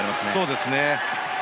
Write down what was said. そうですね。